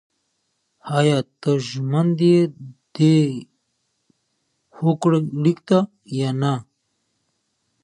نه د لنډمهاله او ځلیدونکي شیانو.